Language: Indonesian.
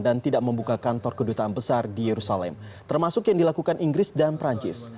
dan tidak membuka kantor kedutaan besar di yerusalem termasuk yang dilakukan inggris dan perancis